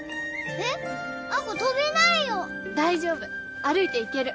えっ亜子飛べないよ。大丈夫歩いて行ける。